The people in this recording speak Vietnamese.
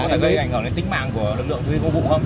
có thể gây ảnh hưởng đến tính mạng của lực lượng vi vô vụ không